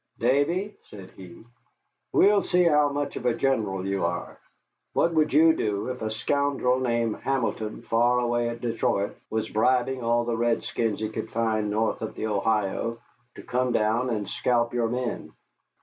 "Davy," said he, "we'll see how much of a general you are. What would you do if a scoundrel named Hamilton far away at Detroit was bribing all the redskins he could find north of the Ohio to come down and scalp your men?"